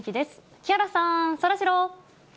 木原さん、そらジロー。